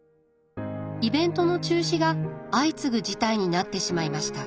イベントの中止が相次ぐ事態になってしまいました。